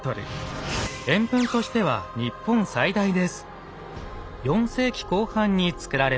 円墳としては日本最大です。